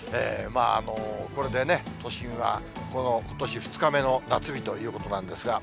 まあこれでね、都心はことし２日目の夏日ということなんですが。